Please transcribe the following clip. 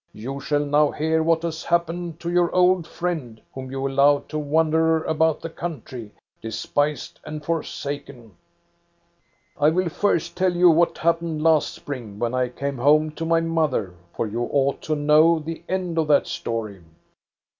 You shall now hear what has happened to your old friend whom you allowed to wander about the country, despised and forsaken. "I will first tell you what happened last spring, when I came home to my mother, for you ought to know the end of that story.